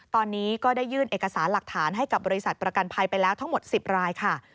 ตอนนี้ก็ได้ยื่นเอกสารหลักฐานให้กับบริษัทประกันภัยไปแล้วทั้งหมด๑๐รายค่ะ